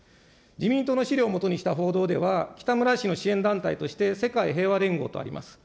自民党の資料を基にした報道では、きたむら氏の支援団体として、世界平和連合とあります。